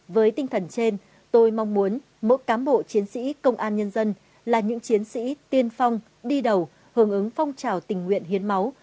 với tinh thần trên tôi mong muốn mỗi cám bộ chiến sĩ công an nhân dân là những chiến sĩ tiên phong đi đầu hướng ứng phong trào tình nguyện hiến máu